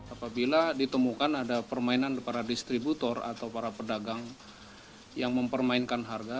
apabila ditemukan ada permainan para distributor atau para pedagang yang mempermainkan harga